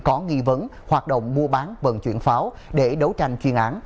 có nghi vấn hoạt động mua bán vận chuyển pháo để đấu tranh chuyên án